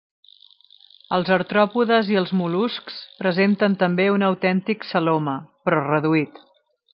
Els artròpodes i els mol·luscs presenten també un autèntic celoma, però reduït.